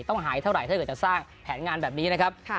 หายเท่าไหรถ้าเกิดจะสร้างแผนงานแบบนี้นะครับ